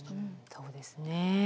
そうですね。